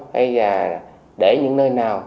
hay là để những nơi nào